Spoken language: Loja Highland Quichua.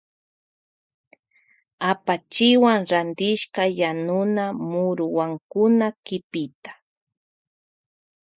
Apachiwan rantishka yanuna muruwankuna kipita.